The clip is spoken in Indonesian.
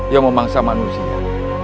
yang membangsa manusia